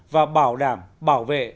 và bảo đảm bảo vệ